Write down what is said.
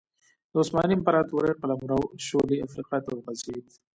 د عثماني امپراتورۍ قلمرو شولې افریقا ته وغځېد.